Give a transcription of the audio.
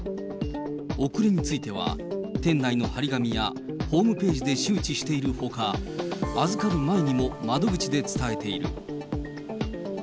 遅れについては、店内の貼り紙やホームページで周知しているほか、預かる前にも窓口で伝えている。